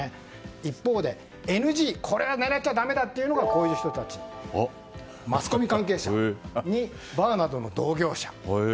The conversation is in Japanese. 一方で、ＮＧこれは狙っちゃだめだというのがマスコミ関係者バーなどの同業者。